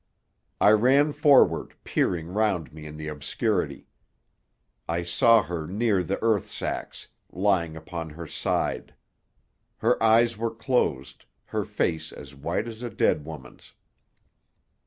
I ran forward, peering round me in the obscurity. I saw her near the earth sacks, lying upon her side. Her eyes were closed, her face as white as a dead woman's.